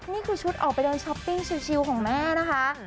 นี่คือชุดออกไปเดินช้อปปิ้งชิลของแม่นะคะ